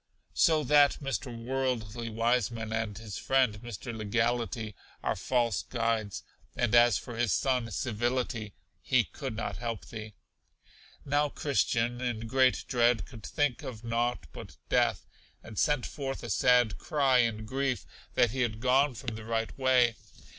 So that Mr. Worldly Wiseman and his friend Mr. Legality are false guides; and as for his son Civility, he could not help thee. Now Christian, in great dread, could think of nought but death, and sent forth a sad cry in grief that he had gone from the right way.